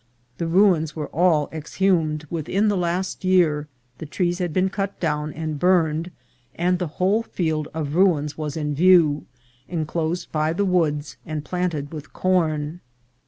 The ruins were all exhumed ; within the last year the trees had been cut down and burned, and the whole field of ruins was in view, enclo sed by the woods and planted with corn.